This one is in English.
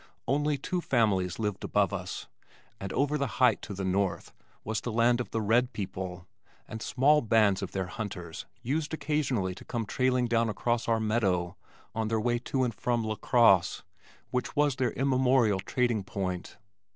Only two families lived above us, and over the height to the north was the land of the red people, and small bands of their hunters used occasionally to come trailing down across our meadow on their way to and from LaCrosse, which was their immemorial trading point.